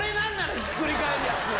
ひっくり返るやつ。